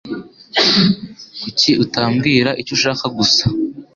Kuki utambwira icyo ushaka gusa?